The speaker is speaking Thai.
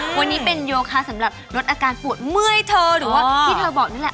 วันนี้เป็นโยคะสำหรับลดอาการปวดเมื่อยเธอหรือว่าที่เธอบอกนั่นแหละ